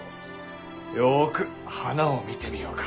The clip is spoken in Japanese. よく花を見てみようか。